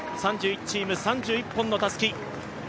３１チーム３１本のたすき。